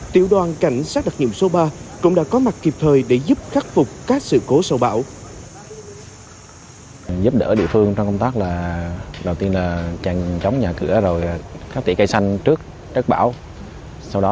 tiểu đoàn cảnh sát đặc nhiệm số ba cũng đã có mặt kịp thời để giúp khắc phục các sự cố sau bão